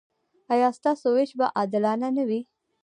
ایا ستاسو ویش به عادلانه نه وي؟